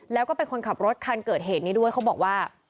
แล้วก็เป็นคนขับรถคันเกิดเหตุนี้ด้วยเขาบอกว่า